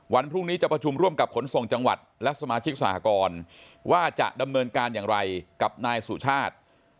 วันพรุ่งนี้จะประชุมร่วมกับขนส่งจังหวัดและสมาชิกสหกรว่าจะดำเนินการอย่างไรกับนายสุชาติ